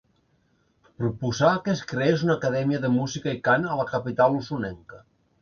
Proposà que es creés una acadèmia de música i cant a la capital osonenca.